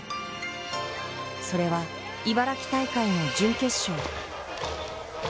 それは、茨城大会の準決勝。